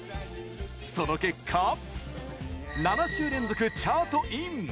その結果７週連続チャートイン！